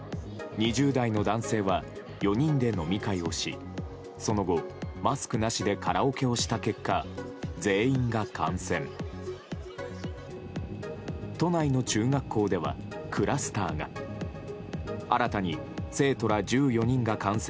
２０代の男性は４人で飲み会をしその後マスクなしでカラオケをした結果全員が感染。